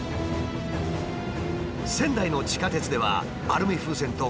仙台の地下鉄ではアルミ風船と架線が接触。